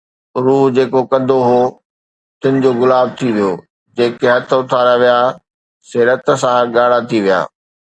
روح جيڪو ڪُنڊو هو، تن جو گلا ٿي ويو، جيڪي هٿ اٿاريا ويا سي رت سان ڳاڙها ٿي ويا